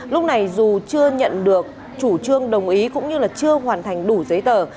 lúc này dù chưa nhận được chủ trương đồng ý cũng như chưa hoàn thành đủ giấy tờ